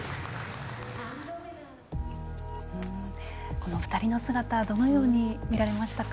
この２人の姿どのように見られましたか。